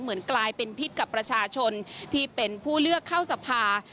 เหมือนกลายเป็นพิษกับประชาชนที่เป็นผู้เลือกเข้าสภา